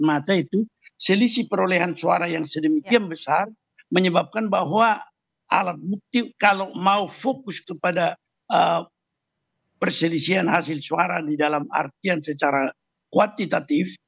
maka itu selisih perolehan suara yang sedemikian besar menyebabkan bahwa alat bukti kalau mau fokus kepada perselisihan hasil suara di dalam artian secara kuantitatif